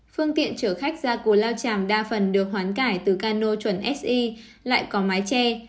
phương tiện trở khách ra của lao chàm đa phần được hoán cải từ cano chuẩn si lại có mái che